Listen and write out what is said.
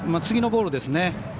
次のボールですね。